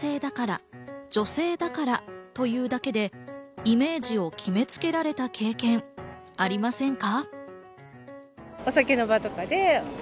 男性だから、女性だからというだけで、イメージを決めつけられた経験はありませんか？